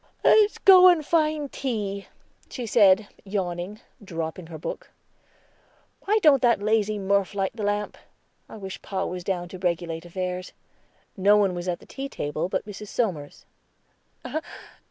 "Let's go and find tea," she said, yawning, dropping her book. "Why don't that lazy Murph light the lamp? I wish pa was down to regulate affairs." No one was at the tea table but Mrs. Somers.